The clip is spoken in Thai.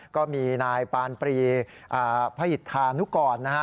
ก็มีนายปานปรีพหิตธานุกรนะฮะ